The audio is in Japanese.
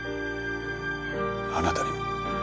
あなたにも。